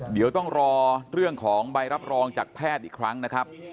เดี๋ยวต้องรอเรื่องของใบรับรองจากแพทย์อีกครั้งนะครับ